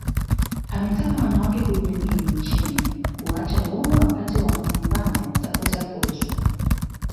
Ametaka wanawake kujiamini nchini kuacha woga wakati wa mapambano ya kutafuta fursa